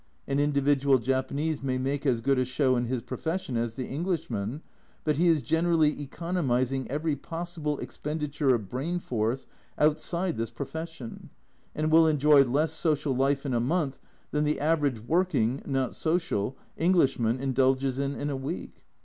An individual Japanese may make as good a show in his profession as the Englishman, but he is generally economising every possible expenditure of brain force outside this profession, and will enjoy less social life in a month than the average working (not social) Englishman indulges in in a week.